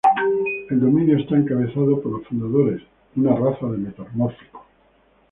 El Dominio está encabezado por los Fundadores, una raza de metamórficos.